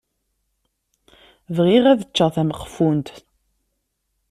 Bɣiɣ ad ččeɣ tameqfunt.